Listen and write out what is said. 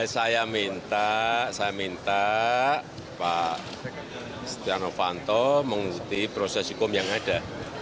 saya minta saya minta pak setia novanto mengikuti proses hukum yang ada